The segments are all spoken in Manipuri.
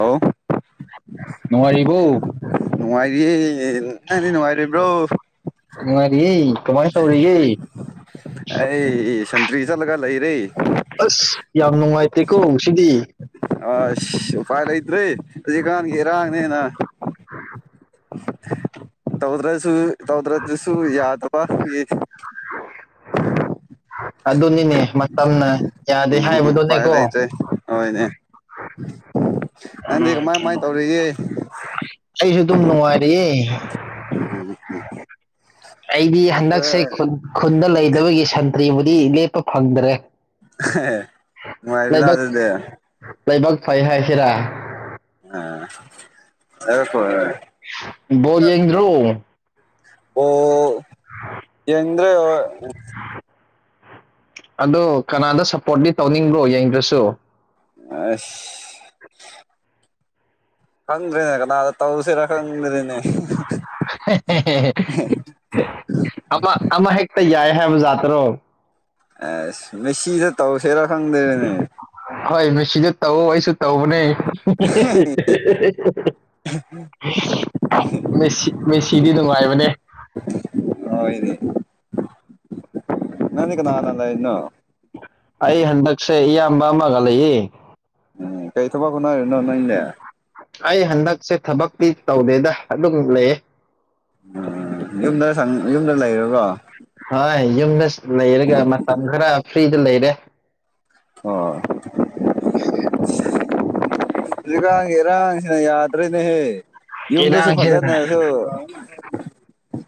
ꯍꯥꯎ ꯅꯨꯪꯉꯥꯏꯔꯤꯕꯣ ꯏꯌꯦ ꯅꯪꯗꯤ ꯅꯨꯡꯉꯥꯏꯔꯤꯕ꯭ꯔꯣ ꯏ ꯀꯃꯥꯏ ꯇꯧꯔꯤꯌꯦ ꯑꯩ ꯁꯟꯇ꯭ꯔꯤ ꯆꯠꯂꯒ ꯂꯩꯔꯤ ꯑꯁ ꯌꯥꯝ ꯅꯨꯡꯉꯥꯏꯇꯦꯀꯣ ꯁꯤꯗꯤ ꯑꯁ ꯎꯄꯥꯏ ꯂꯩꯇꯔꯦ ꯍꯧꯖꯤꯛꯀꯥꯟꯒꯤ ꯏꯔꯥꯡꯅꯦꯅ [unintelligible] ꯇꯧꯗ꯭ꯔꯁꯨ ꯇꯧꯗ꯭ꯔꯗꯁꯨ ꯌꯥꯗꯕ ꯌꯦ ꯇꯝꯅ ꯌꯥꯗꯦ ꯎꯝ ꯎꯄꯥꯏ ꯍꯥꯏꯕꯗꯨꯅꯦꯀꯣ ꯂꯩꯇ꯭ꯔꯦ ꯍꯣꯏꯅꯦ [inaudible] ꯎ ꯅꯪꯗꯤ ꯀꯃꯥꯏ ꯀꯃꯥꯏ ꯇꯧꯔꯤꯒꯦ ꯑꯩꯁꯨ ꯑꯗꯨꯝ ꯅꯨꯡꯉꯥꯏꯔꯤꯌꯦ ꯑꯩꯗꯤ ꯍꯟꯗꯛꯁꯦ ꯈꯨꯟꯗ ꯂꯩꯗꯕꯒꯤ ꯁꯟꯇ꯭ꯔꯤꯕꯕꯨꯗꯤ ꯂꯦꯞꯄ ꯐꯪꯗ꯭ꯔꯦ ꯍ ꯃꯔꯤꯗ ꯑꯗꯨꯗꯦ ꯂꯩꯥꯏꯕꯥꯛ ꯐꯩ ꯍꯥꯏꯁꯤꯔꯥ ꯑ ꯀꯣ ꯕꯣꯜ ꯌꯦꯡꯗꯔꯣ ꯑꯣ ꯌꯦꯗ꯭ꯔꯦ ꯑꯗꯨ ꯀꯅꯥꯗ ꯁꯞꯄꯣꯔꯠꯤ ꯇꯧꯅꯤꯡꯕ꯭ꯔꯣ ꯌꯦꯡꯗ꯭ꯔꯁꯨ ꯑꯁ ꯈꯪꯗ꯭ꯔꯦꯅꯦ ꯀꯅꯥꯗ ꯇꯥꯎ ꯁꯔꯀꯝ ꯃꯦꯔꯦꯅꯦ ꯑꯃ ꯑꯃ ꯍꯦꯛꯛꯇ ꯌꯥꯏ ꯍꯕꯖꯇ꯭ꯔꯣ ꯑꯁ ꯃꯦꯁꯤꯗ ꯇꯧꯁꯤꯦꯔꯥ ꯈꯪꯗꯕꯅꯦ ꯁꯤꯗ ꯇꯧ ꯑꯩꯁꯨ ꯇꯧꯕꯅꯦ ꯁꯤ ꯃꯦꯁꯤꯗꯤ ꯅꯨꯡꯉꯥꯏꯕꯅꯦ ꯍ ꯏꯅꯦ ꯑꯩ ꯍꯟꯗꯛꯁꯦ ꯏꯌꯥꯝꯕ ꯑꯃꯒ ꯂꯩꯏ ꯎꯝ ꯀꯥꯏꯊꯕꯒꯣꯅꯅꯣ ꯅꯪ ꯏꯅꯦꯦ ꯑꯩ ꯍꯟꯗꯛꯁꯦ ꯊꯕꯛꯇꯤ ꯇꯧꯗꯦꯗ ꯑꯗꯨꯝ ꯂꯩ ꯌꯨꯝꯗ ꯌꯨꯝꯗ ꯂꯩꯔꯨꯔꯣ ꯍꯣꯏ ꯌꯨꯝꯗ ꯂꯩꯔꯒ ꯃꯇꯝ ꯈꯔ ꯐ꯭ꯔꯤꯗ ꯂꯩꯔꯦ ꯑꯣ ꯑꯗꯨꯒꯀꯒꯦꯔꯥꯡꯁꯤꯅ ꯌꯥꯗ ꯑꯗꯨꯔꯦꯅꯦꯍꯦ ꯌꯨꯝꯗꯁꯨ ꯏꯔꯥꯡꯁꯤꯅ ꯐꯖꯅꯁꯨ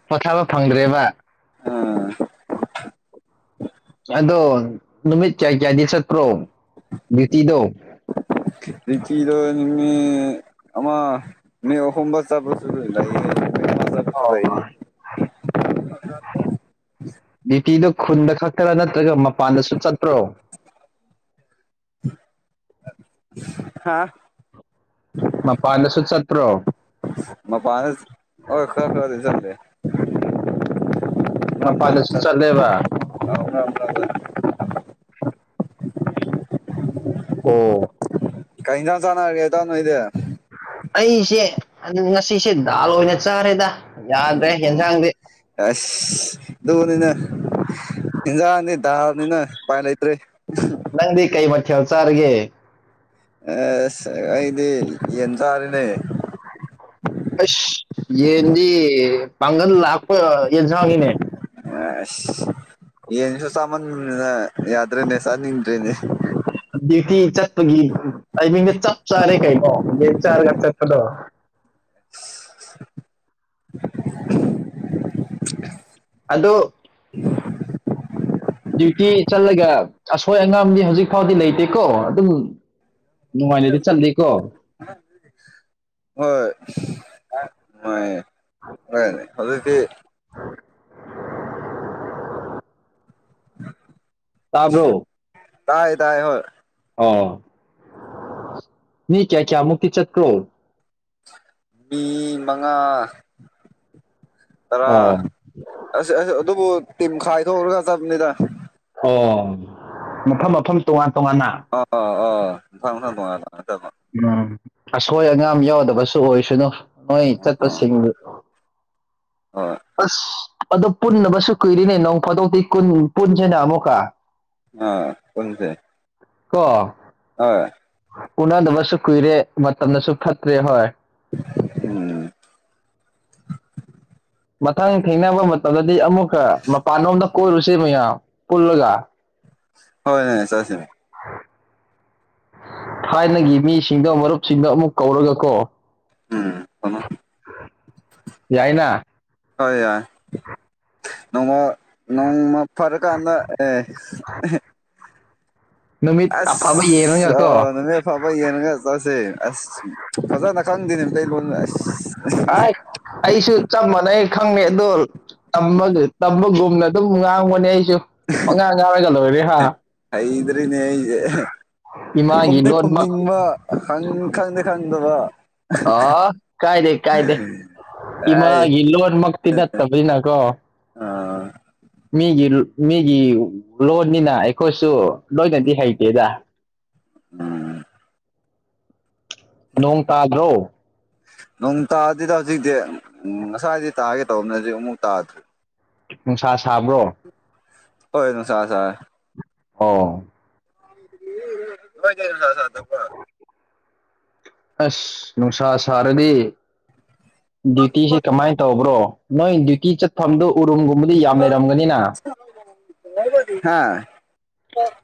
ꯄꯣꯊꯥꯕ ꯐꯪꯗ꯭ꯔꯦꯕ ꯑꯥ ꯑꯗ ꯅꯨꯃꯤꯠ ꯆ ꯀꯌꯥꯗꯤꯠꯇ꯭ꯔꯣ ꯕꯤꯇꯤꯗ ꯂꯤꯤꯆꯤꯗ ꯑꯃ ꯅꯍꯣ ꯆꯥꯄꯁꯨ ꯂꯩ ꯑꯣ ꯕꯤꯇꯤꯗ ꯈꯨꯟꯗ ꯈꯛꯇꯔꯥ ꯅꯠꯇ꯭ꯔꯒ ꯃꯄꯥꯟꯗꯁꯨ ꯆꯠꯇ꯭ꯔꯣ ꯍꯥꯥ ꯃꯄꯥꯟꯗꯁꯨ ꯆꯠꯄ꯭ꯔꯣ ꯃ ꯄꯅ ꯑꯣ ꯈꯔ ꯈꯔꯗꯤ ꯆꯝꯗꯦ ꯃꯄꯥꯟꯗꯁꯨ ꯆꯠꯂꯦꯕ [unintelligible] ꯑꯣ ꯀꯩꯖꯟ ꯆꯅ ꯍꯥꯏꯔꯒꯦꯗꯅꯣ ꯏꯗꯦ ꯑꯩꯁꯦ ꯑꯗꯨ ꯉꯁꯤꯁꯦ ꯗꯥꯜ ꯑꯣꯏꯅ ꯆꯥꯔꯦꯗ ꯌꯥꯗ꯭ꯔꯦ ꯌꯦꯟꯖꯥꯡꯗꯤ ꯑꯗꯨꯅꯤꯅ ꯏꯟꯖꯥꯡꯅꯤ ꯗꯥꯔꯅꯤꯅ ꯎꯄꯥꯏ ꯂꯩꯇ꯭ꯔꯦ ꯅꯪꯗꯤ ꯀꯩ ꯃꯈꯦꯜ ꯆꯥꯔꯒꯦ ꯑꯁ ꯑꯩꯗꯤ ꯌꯦꯟ ꯇꯥꯔꯤꯅꯦ ꯌꯦꯗꯤ ꯄꯪꯒꯜ ꯂꯥꯛꯄ ꯌꯦꯟꯖꯉꯅꯦ ꯑꯁ ꯌꯦꯟꯁꯨ ꯁꯃꯥꯟ ꯌꯥꯗ꯭ꯔꯅꯦꯁ ꯅꯤꯡꯗ꯭ꯔꯔꯤꯅꯦ ꯗ꯭ꯌꯨꯇꯤ ꯆꯠꯄꯒꯤ ꯇꯥꯏꯃꯤꯡꯗ ꯆꯞ ꯆꯥꯔꯦ ꯀꯩꯅꯣ ꯌꯦꯡ ꯆꯥꯔꯒ ꯆꯠꯄꯗꯣ [unintelligible] ꯑꯗꯣ [unintelligible] ꯗ꯭ꯌꯨꯇꯤ ꯆꯠꯂꯒ ꯑꯁꯣꯏ ꯑꯉꯥꯝꯗꯤ ꯍꯧꯖꯤꯛ ꯐꯥꯎꯗꯤ ꯂꯩꯇꯦꯀꯣ ꯑꯗꯨꯝ ꯅꯨꯡꯉꯥꯏꯅꯗꯤ ꯆꯠꯂꯤꯀꯣ ꯍ ꯃꯥꯏ ꯑꯗꯨꯗꯤ ꯇꯥꯕ꯭ꯔꯣ ꯇꯥꯏ ꯇꯥꯏ ꯍꯣꯏ ꯑꯣ ꯃꯤ ꯀꯌꯥ ꯀꯌꯥꯃꯨꯛꯇꯀꯤ ꯆꯀ꯭ꯔꯣ ꯃꯤ ꯃꯉꯥ ꯑꯔꯥ ꯑꯣ ꯑꯁ ꯑꯁ ꯑꯗꯨꯕꯨ ꯇꯤꯝ ꯈꯥꯏꯊꯣꯛꯎꯔꯒ ꯆꯕꯅꯤꯗ ꯃꯐꯝ ꯃꯐꯝ ꯇꯣꯉꯥꯟ ꯇꯣꯉꯥꯟꯅ ꯑꯣ ꯑꯣ ꯅꯪ ꯊꯪꯣ ꯂ ꯑꯗꯨꯣ ꯎꯝ ꯑꯁꯣꯏ ꯑꯉꯥꯝ ꯌꯥꯎꯗꯕꯁꯨ ꯑꯣꯏꯁꯅꯨ ꯅꯣꯏ ꯑꯥ ꯆꯠꯄꯁꯤꯡꯗꯨ ꯍꯣꯏ ꯑꯁ ꯑꯗꯨ ꯄꯨꯟꯅꯕꯁꯨ ꯀꯨꯏꯔꯤꯅꯦ ꯅꯪ ꯐꯥꯗꯣꯛꯇꯤ ꯄꯨꯟꯁꯤꯦꯅ ꯑꯃꯨꯛꯀ ꯑꯥ ꯀꯟꯁꯦ ꯀ ꯎꯅꯗꯕꯁꯨ ꯀꯨꯏꯔꯦ ꯃꯇꯝꯗꯁꯨ ꯐꯠꯇ꯭ꯔꯦ ꯍꯣꯏ ꯎꯝ ꯃꯊꯪ ꯊꯦꯡꯅꯕ ꯃꯇꯝꯗꯗꯤ ꯑꯃꯨꯛꯀ ꯃꯄꯥꯟꯂꯣꯝꯗ ꯀꯣꯏꯔꯨꯁꯦ ꯃꯌꯥꯝ ꯄꯨꯜꯂꯒ ꯍꯣꯏ ꯅ ꯆꯁꯤꯦ ꯊꯥꯏꯅꯒꯤ ꯃꯤꯁꯤꯡꯗꯣ ꯃꯔꯨꯞꯁꯤꯡꯗꯣ ꯑꯃꯨꯛ ꯀꯧꯔꯒ ꯀꯣ ꯎꯝ ꯊꯝꯃꯣ ꯌꯥꯏꯅ ꯑ ꯌꯥꯏꯣꯡꯃ ꯅꯃ ꯐꯔ ꯀꯅ ꯑꯦ ꯅꯨꯃꯤꯠ ꯑꯐꯕ ꯑꯁ ꯌꯦꯡꯉꯒꯀꯣ ꯑ ꯅꯨꯃꯤꯐꯕ ꯌꯦꯡꯉꯒ ꯆꯠꯁꯦ ꯑꯁ ꯐꯖꯅ ꯈꯪꯗꯅ ꯂꯩꯩ ꯂꯣꯟ ꯑ ꯑꯩꯁꯨ ꯆꯝ ꯃꯅꯦ ꯈꯪꯅꯩ ꯑꯗꯣ ꯇꯝꯕꯒꯨꯝꯅ ꯑꯗꯨꯝ ꯉꯥꯡꯕꯅꯦ ꯑꯩ ꯑꯣꯉꯥꯏ ꯉꯒꯂ ꯑꯣꯏꯔꯦ ꯍꯥꯥ ꯈꯨꯝꯅꯤ ꯈꯨꯝꯅꯤꯡꯕ ꯈꯪꯗꯦ ꯈꯪꯗꯕ ꯑ ꯀꯥꯏꯗ ꯀꯥꯏꯗ ꯑꯩ ꯏꯃꯥꯒꯤ ꯂꯣꯟꯃꯛꯇꯤ ꯅꯠꯇꯕꯅꯤꯅꯀꯣ ꯑ ꯃꯤꯒꯤ ꯃꯤꯒꯤ ꯂꯣꯟꯅꯤꯅ ꯑꯩꯈꯣꯏꯁꯨ ꯂꯣꯏꯅꯗꯤ ꯍꯩꯇꯦꯗ ꯎꯝ ꯅꯣꯡ ꯇꯥꯜꯗ꯭ꯔꯣ ꯅꯣꯡ ꯇꯥꯗꯤꯗ ꯍꯧꯖꯤꯛꯇꯤ ꯉꯁꯥꯏꯗꯤ ꯇꯥꯒꯦ ꯇꯧꯕꯅꯦ ꯍꯧꯖꯤꯛ ꯑꯃꯨꯛ ꯇꯥꯗ꯭ꯔꯤ ꯅꯨꯡꯁꯥ ꯁꯥꯕ꯭ꯔꯣ ꯍ ꯑꯗꯨ ꯁꯥ ꯁꯥꯥ ꯍ ꯀꯃꯥꯏ ꯀ ꯁꯥ ꯁꯥ ꯊ ꯑꯁ ꯅꯨꯡꯁꯥ ꯁꯥꯔꯗꯤ ꯗ꯭ꯌꯨꯇꯤꯤꯁ ꯀꯃꯥꯏꯅ ꯇꯧꯕ꯭ꯔꯣ ꯅꯣꯏ ꯗ꯭ꯌꯨꯇꯤ ꯆꯠꯐꯝꯗꯨ ꯎꯔꯨꯝꯒꯨꯝꯕꯗꯤ ꯌꯥꯝ ꯂꯩꯔꯝꯒꯅꯤꯅ ꯍꯥꯥ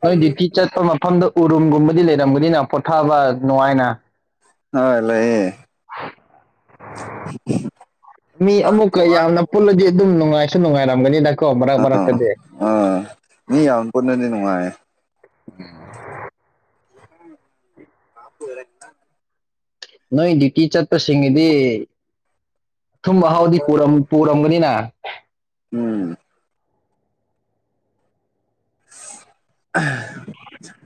ꯅꯣꯏ ꯗ꯭ꯌꯨꯇꯤ ꯆꯠꯄ ꯃꯐꯝꯗ ꯎꯔꯨꯝꯒꯨꯝꯕꯗꯤ ꯂꯩꯔꯝꯒꯅꯤꯅ ꯄꯣꯊꯥꯕ ꯅꯨꯡꯉꯥꯏꯅ ꯍ ꯂꯩꯑꯦ ꯃꯤ ꯑꯃꯨꯛꯀ ꯌꯥꯝꯅ ꯄꯨꯜꯂꯗꯤ ꯑꯗꯨꯝ ꯅꯨꯡꯉꯥꯏꯁꯨ ꯅꯨꯡꯉꯥꯏꯔꯝꯒꯅꯤ ꯗ ꯀꯣ ꯃꯔ ꯃꯔꯔ ꯀꯗ ꯑꯥ ꯃꯤ ꯌꯥꯝ ꯄꯨꯟꯅꯗꯤ ꯅꯨꯡꯉꯥꯏ ꯎꯝ ꯃꯥ ꯅꯣꯏ ꯗꯌꯇꯤ ꯆꯠꯄꯁꯤꯡꯒꯤꯗꯤ ꯊꯨꯝꯕ ꯍꯥꯎꯗꯤ ꯄꯨꯔꯝꯒꯅꯤꯅ ꯎꯝ ꯎ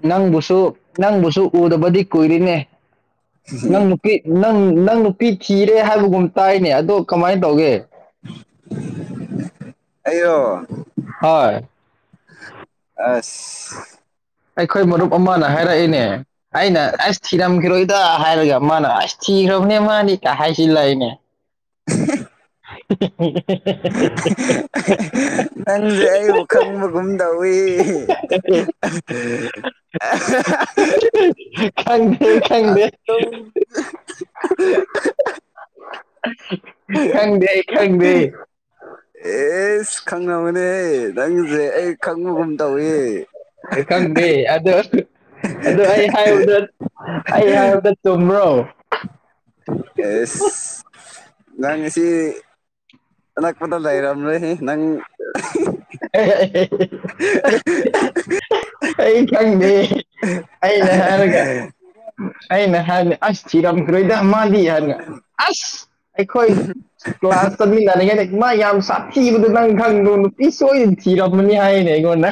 ꯅꯪꯕꯨꯁꯨ ꯅꯪꯕꯨꯁꯨ ꯎꯗꯕꯗꯤ ꯀꯨꯏꯔꯤꯅꯦ ꯅꯪ ꯅꯨꯄꯤ ꯅꯪ ꯅꯪ ꯅꯨꯄꯤ ꯊꯤꯔꯦ ꯍꯥꯏꯕꯒꯨꯝ ꯇꯥꯏꯅꯦ ꯑꯗꯣ ꯀꯃꯥꯏꯅ ꯇꯧꯒꯦ ꯑꯩꯔꯣ ꯍꯣꯏ ꯑꯁ ꯑꯩꯈꯣꯏ ꯃꯔꯨꯞ ꯑꯃꯅ ꯍꯥꯏꯔꯛꯏꯅꯦ ꯑꯩꯅ ꯑꯁ ꯊꯤꯔꯝꯈꯤꯔꯣ ꯗ ꯍꯥꯏꯔꯒ ꯃꯥꯅ ꯑꯁ ꯊꯤꯈ꯭ꯔꯕꯅꯦ ꯃꯥꯅꯤ ꯀ ꯍꯥꯏꯁꯤꯂꯏꯅꯦ ꯅꯪꯁꯦ ꯑꯩꯕꯨ ꯈꯪꯕꯒꯨꯝ ꯇꯧꯏ ꯑ ꯈꯪꯗꯦ ꯈꯪꯗꯦ [unintelligible] ꯊꯪꯗꯦ ꯈꯪꯗꯦ ꯑꯦꯁ ꯈꯪꯅꯕꯅꯦꯍ ꯅꯪꯁꯦ ꯑꯩ ꯈꯪꯕꯒꯨꯝ ꯇꯧꯏ ꯀꯝꯗꯤ ꯑꯗ ꯑꯗꯨ ꯑꯩ ꯍꯥꯏꯕꯗ ꯑꯩ ꯍꯥꯏꯕꯗ ꯆꯨꯝꯕ꯭ꯔꯣ ꯑꯦꯁ ꯀꯅꯥꯥꯛꯄꯠꯇ ꯂꯩꯏꯔꯝꯔꯦ ꯅꯪ ꯑꯩ ꯈꯪꯗꯦ ꯑꯩꯅ ꯍꯥꯏꯔꯒ ꯑꯩꯅ ꯍꯥꯏꯕꯗꯤ ꯑꯁ ꯊꯤꯔꯝꯈ꯭ꯔꯣꯏꯗ ꯃꯥꯗꯤ ꯌꯥꯔꯒ ꯑꯁ ꯑꯩꯈꯣꯏ ꯀ꯭ꯂꯥꯁ ꯇꯃꯤꯟꯅꯔꯤꯉꯩ ꯃꯥ ꯌꯥꯝ ꯁꯥꯊꯤꯕꯗꯣ ꯅꯪ ꯈꯪꯗꯣ ꯅꯨꯄꯤ ꯁꯣꯏꯗꯅ ꯊꯤꯔꯝꯃꯅꯤ ꯍꯥꯏꯅꯦ ꯑꯩꯉꯣꯟꯅ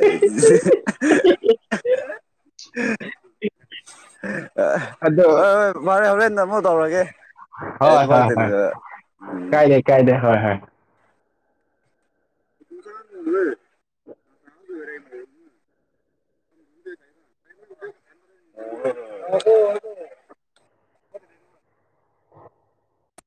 [unintelligible] ꯍꯣꯏ ꯑꯗꯣ ꯍꯣꯏ ꯃꯥꯔꯦ ꯍꯧꯔ ꯍꯣꯏ ꯍꯣꯏ ꯍ ꯎꯝ ꯀꯥꯏ ꯀꯥꯏ ꯍ ꯍꯣꯏ ꯑꯣꯏꯕ ꯅ ꯀꯥꯗ ꯑꯣꯏꯔꯦ ꯃ [unintelligible] ꯍ